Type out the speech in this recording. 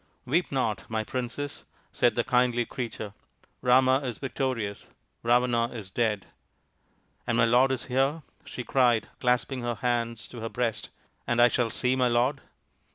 " Weep not, my Princess," said the kindly creature. " Rama is victorious. Ravana is dead." " And my lord is here ?" she cried, clasping her hands to her breast, " and I shall see my lord